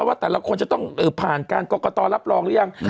แล้วควรจะต้องผ่านการกอกก่อตรอรับรองหรือยัง